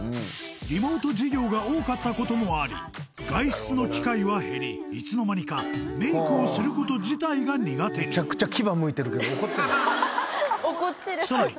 リモート授業が多かったこともあり外出の機会は減りいつの間にかメイクをすること自体が苦手にさらに